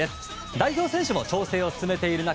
代表選手も調整を進めている中